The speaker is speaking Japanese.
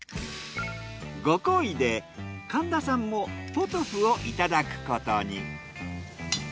ご厚意で神田さんもポトフをいただくことに。